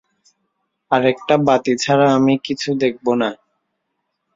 আরেকটা বাতি ছাড়া আমি কিছু দেখব না।